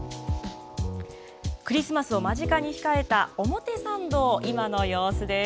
クリスマスを間近に控えた表参道、今の様子です。